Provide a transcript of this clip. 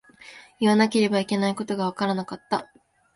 言わなければいけないことがわからなかった。